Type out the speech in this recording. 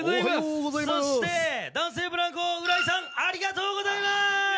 そして男性ブランコ、浦井さんありがとうございます！